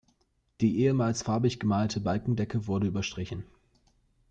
Die ehemals farbig gemalte Balkendecke wurde überstrichen.